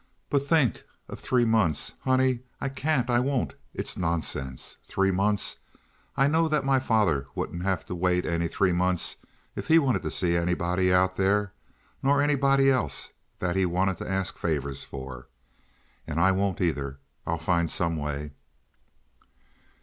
"But think of three months! Honey, I can't! I won't! It's nonsense. Three months! I know that my father wouldn't have to wait any three months if he wanted to see anybody out there, nor anybody else that he wanted to ask favors for. And I won't, either. I'll find some way."